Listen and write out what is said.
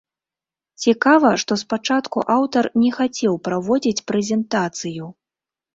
Цікава, што спачатку аўтар не хацеў праводзіць прэзентацыю.